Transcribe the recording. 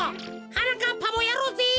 はなかっぱもやろうぜ。